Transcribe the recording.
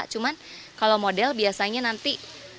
cuma kalau model biasanya nanti